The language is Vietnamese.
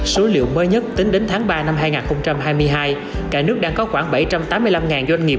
số liệu mới nhất tính đến tháng ba năm hai nghìn hai mươi hai cả nước đang có khoảng bảy trăm tám mươi năm doanh nghiệp